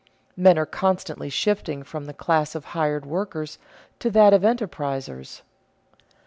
Men are constantly shifting from the class of hired workers to that of enterprisers.